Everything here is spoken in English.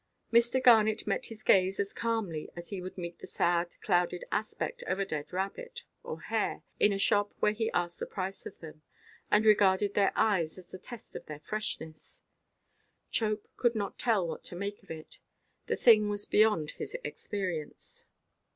Mr. Garnet met his gaze as calmly as he would meet the sad clouded aspect of a dead rabbit, or hare, in a shop where he asked the price of them, and regarded their eyes as the test of their freshness. Chope could not tell what to make of it. The thing was beyond his experience.